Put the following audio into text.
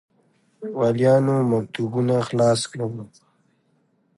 والیانو مکتوبونه خلاص کړل.